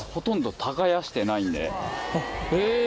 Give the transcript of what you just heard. へえ！